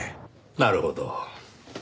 なるほど。